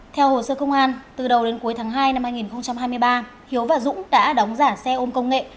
theo hồ sơ công an từ đầu đến cuối tháng hai năm hai nghìn hai mươi ba hiếu và dũng đã đóng giả xe ôm công nghệ